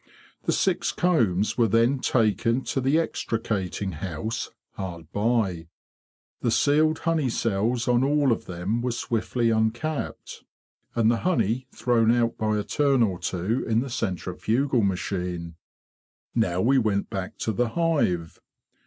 The six combs were then taken to the extricating house hard by. The sealed honey cells on all of them were swiftly un capped, and the honey thrown out by a turn or two HEREDITY IN THE BEE GARDEN 57 in the centrifugal machine. Now we went back to the hive.